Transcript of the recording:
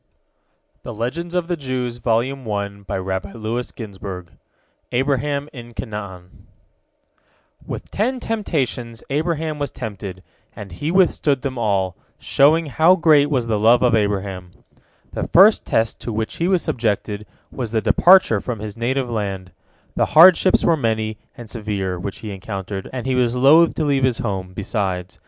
" ABRAHAM IN CANAAN With ten temptations Abraham was tempted, and he withstood them all, showing how great was the love of Abraham. The first test to which he was subjected was the departure from his native land. The hardships were many and severe which he encountered, and he was loth to leave his home, besides.